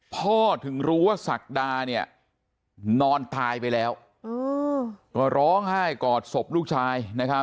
พ่อถึงรู้ว่าศักดานอนตายไปแล้วก็ร้องไห้กอดสมพวัติลูกชาย